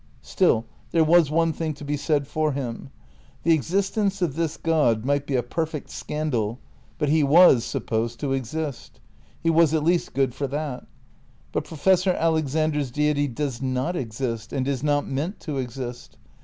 Still, there was one thing to be said for him. The existence of this God might be a perfect scandal, but he was supposed to exist. He was, at least, good for that. But Professor Alexander's Deity does not exist, and is not meant to exist.